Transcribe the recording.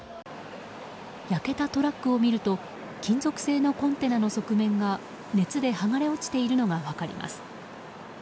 焼けたトラックを見ると金属製のコンテナの側面が熱で剥がれ落ちているのが分かります。